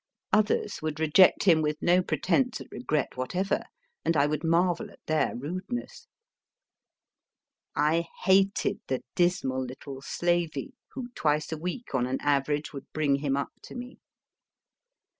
Others would reject him with no pretence at regret whatever, and I would marvel at then rudeness. I hated the dismal little slavey who, twice a week, on an average, would bring him up to me.